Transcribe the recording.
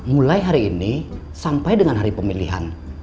mulai hari ini sampai dengan hari pemilihan